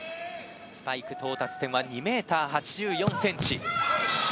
スパイク到達点は２ｍ８４ｃｍ。